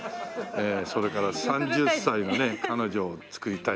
それから３０歳のね彼女を作りたいなと。